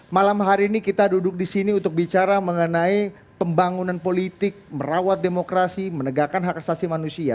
malam hari ini kita duduk di sini untuk bicara mengenai pembangunan politik merawat demokrasi menegakkan hak asasi manusia